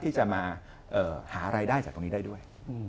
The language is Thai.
ที่จะมาหารายได้จากตรงนี้ได้ด้วย